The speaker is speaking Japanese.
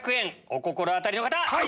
お心当たりの方！